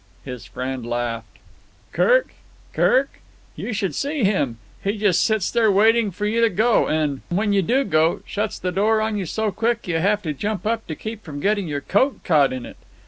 His friend laughed. "Kick? Kirk? You should see him! He just sits there waiting for you to go, and, when you do go, shuts the door on you so quick you have to jump to keep from getting your coat caught in it.